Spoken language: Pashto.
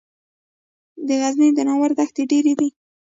د غزني د ناور دښتې ډیرې دي